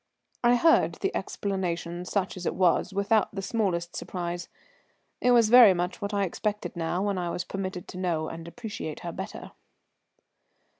I heard the explanation, such as it was, without the smallest surprise; it was very much what I expected now when I was permitted to know and appreciate her better.